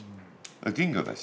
金魚だし。